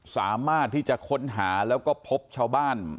สามารถที่จะค้นหาแล้วก็พบชาวบ้าน